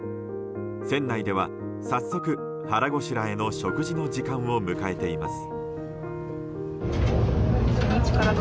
船内では早速、腹ごしらえの食事の時間を迎えています。